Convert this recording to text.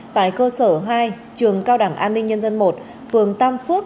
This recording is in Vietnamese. tại cơ sở hai trường cao đẳng an ninh nhân dân một phường tam phước